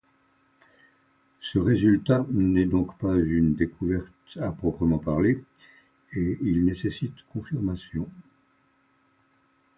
Ce résultat n'est donc pas une découverte à proprement parler, et il nécessite confirmation.